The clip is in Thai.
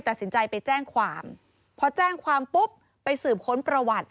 ตัดสินใจไปแจ้งความพอแจ้งความปุ๊บไปสืบค้นประวัติ